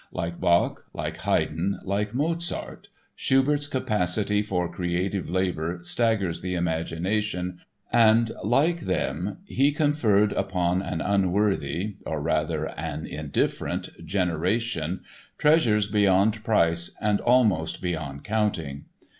Like Bach, like Haydn, like Mozart, Schubert's capacity for creative labor staggers the imagination and, like them, he conferred upon an unworthy—or, rather, an indifferent—generation treasures beyond price and almost beyond counting.